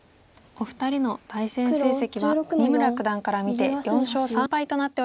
お二人の対戦成績は三村九段から見て４勝３敗となっております。